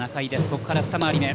ここから二回り目。